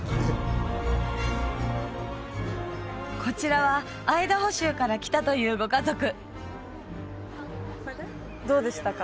こちらはアイダホ州から来たというご家族どうでしたか？